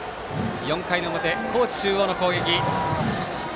４回の表、高知中央の攻撃。